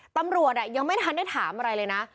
ตำรวจยังไม่ทันได้ถามอะไรเลยนะ